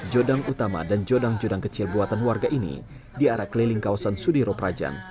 jodang utama dan jodang jodang kecil buatan warga ini diarak keliling kawasan sudiro prajan